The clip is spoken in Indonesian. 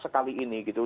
sekali ini gitu